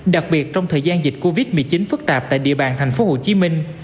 đặc biệt trong thời gian dịch covid một mươi chín phức tạp tại địa bàn thành phố hồ chí minh